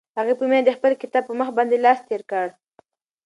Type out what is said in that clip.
هغې په مینه د خپل کتاب په مخ باندې لاس تېر کړ.